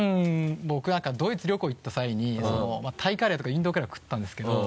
僕ドイツ旅行行った際にタイカレーとかインドカレーを食ったんですけど。